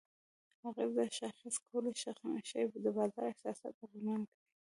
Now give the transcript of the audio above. اغېز: دا شاخص کولی شي د بازار احساسات اغیزمن کړي؛